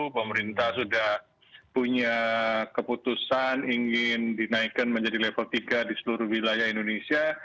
pemerintah sudah punya keputusan ingin dinaikkan menjadi level tiga di seluruh wilayah indonesia